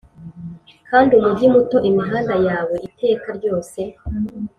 kandi, umujyi muto, imihanda yawe iteka ryose